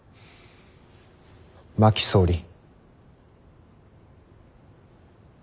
真木総理。